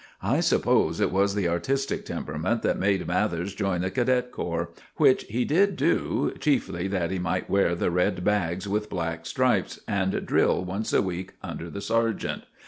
I suppose it was the artistic temperament that made Mathers join the cadet corps; which he did do, chiefly that he might wear the red bags with black stripes, and drill once a week under the sergeant.